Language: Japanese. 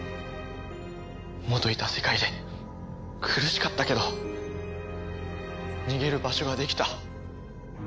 元いた世界で苦しかったけど逃げる場所ができた。